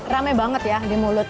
rame banget ya di mulut